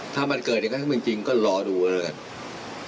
ถ้ามันเกิดอย่างไรมันไม่จริงก็รอดูกันเลยกัน